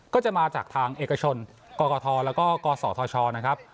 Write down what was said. ก็จะมาจากทางเอกชนกกทแล้วก็กศธชนะครับ